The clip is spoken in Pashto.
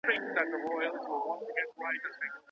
بخښنه د انسان روح پاکوي.